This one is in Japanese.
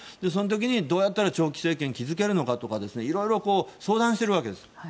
その時にどうやったら長期政権を築けるかとか色々相談しているわけです。